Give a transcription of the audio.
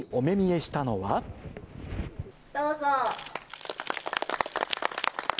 どうぞ。